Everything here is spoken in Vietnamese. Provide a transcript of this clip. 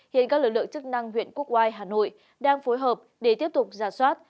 hiện các lực lượng chức năng huyện quốc oai hà nội đang phối hợp để tiếp tục giả soát